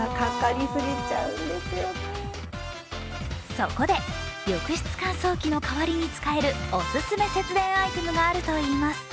そこで、浴室乾燥機の代わりに使えるオススメの節電アイテムがあるといいます。